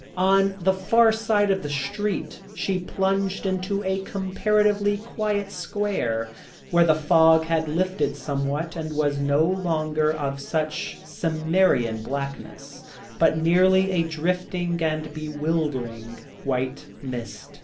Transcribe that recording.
On the far side of the street she plunged into a comparatively quiet square, where the fog had lifted somewhat, and was no longer of such Cimmerian blackness, but merely a drifting and bewildering white mist.